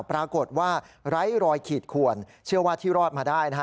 ปรากฏว่าไร้รอยขีดขวนเชื่อว่าที่รอดมาได้นะฮะ